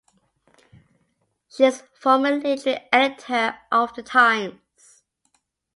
She is former literary editor of "The Times".